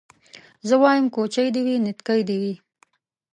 زه وايم کوچۍ دي وي نتکۍ دي وي